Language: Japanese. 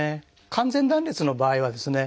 完全断裂の場合はですね